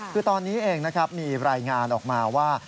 คือตอนนี้เองนะครับมีรายงานออกมาว่า